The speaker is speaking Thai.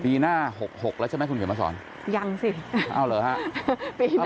ปีหน้า๖๖แล้วใช่ไหมคุณเฮียมสอนยังสิอ้าวเหรอฮะ